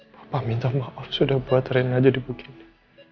papa minta maaf sudah buat rena jadi begini